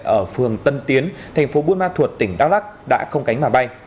ở phường tân tiến thành phố buôn ma thuột tỉnh đắk lắc đã không cánh mà bay